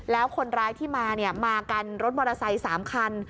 แล้วคนร้ายที่มามากันรถมอเตอร์ไซค์๓คัน